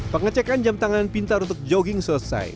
pengecekan jam tangan pintar untuk jogging selesai